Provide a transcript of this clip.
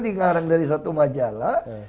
dikarang dari satu majalah